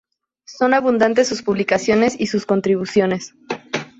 Son abundantes sus publicaciones y sus contribuciones.